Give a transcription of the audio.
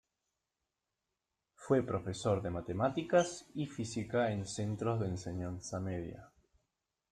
Fue profesor de matemáticas y física en centros de enseñanza media.